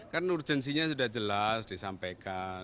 kan urgensinya sudah jelas disampaikan